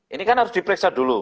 ini kan harus diperiksa dulu